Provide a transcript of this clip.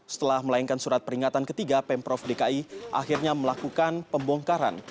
setelah melayangkan surat peringatan ketiga pemprov dki akhirnya melakukan pembongkaran